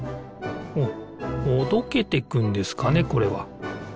ほどけていくんですかねこれは。